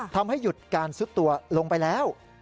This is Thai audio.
ทำให้หยุดการซุดตัวลงไปแล้ว